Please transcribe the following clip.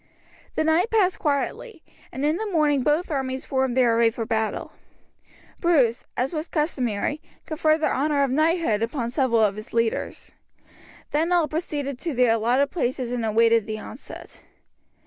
The night passed quietly, and in the morning both armies formed their array for battle. Bruce, as was customary, conferred the honour of knighthood upon several of his leaders. Then all proceeded to their allotted places and awaited the onset.